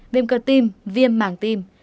viêm cơ tim viêm màng tim